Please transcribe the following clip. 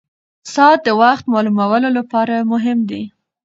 ساعت د وخت معلومولو لپاره مهم ده.